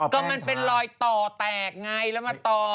ก็มันเป็นรอยต่อแตกไงแล้วมาต่อ